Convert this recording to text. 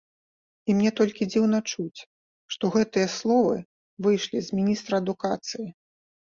І мне толькі дзіўна чуць, што гэтыя словы выйшлі з міністра адукацыі.